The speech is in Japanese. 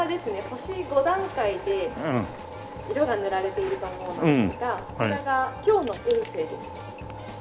星５段階で色が塗られていると思うのですがそちらが今日の運勢です。